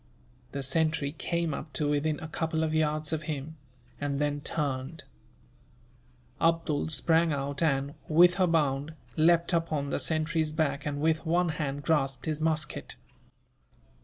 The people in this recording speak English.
The sentry came up to within a couple of yards of him, and then turned. Abdool sprang out and, with a bound, leapt upon the sentry's back and, with one hand, grasped his musket.